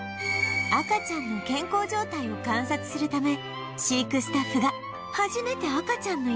赤ちゃんの健康状態を観察するため飼育スタッフが初めて赤ちゃんのいる部屋へ